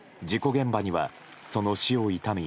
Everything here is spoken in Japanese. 事故現場には、その死を悼み